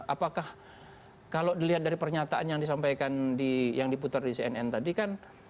apakah kalau dilihat dari pernyataan yang disampaikan yang diputar di cnn tadi kan